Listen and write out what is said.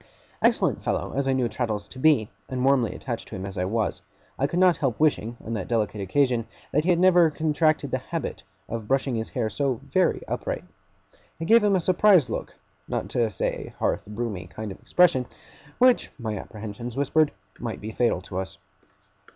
Excellent fellow as I knew Traddles to be, and warmly attached to him as I was, I could not help wishing, on that delicate occasion, that he had never contracted the habit of brushing his hair so very upright. It gave him a surprised look not to say a hearth broomy kind of expression which, my apprehensions whispered, might be fatal to us.